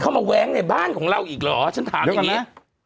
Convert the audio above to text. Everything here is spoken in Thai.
มาแว้งในบ้านของเราอีกเหรอฉันถามอย่างนี้